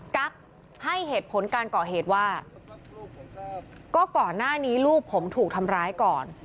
กั๊กให้เหตุผลการก่อเหตุว่าก็ก่อนหน้านี้ลูกผมถูกทำร้ายก่อน